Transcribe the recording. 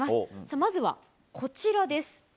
まずはこちらです。